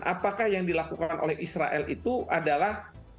apakah yang dilakukan oleh israel itu adalah